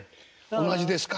同じですか？